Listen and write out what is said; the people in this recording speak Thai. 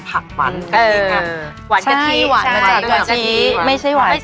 มันต้องมีแบบวันหวานผักหวานกะทิอะ